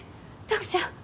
拓ちゃん。